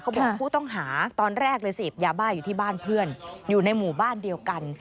บอกผู้ต้องหาตอนแรกเลยเสพยาบ้าอยู่ที่บ้านเพื่อนอยู่ในหมู่บ้านเดียวกัน